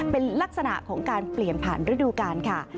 เป็นลักษณะของการเปลี่ยนผ่านฤดูกาลค่ะ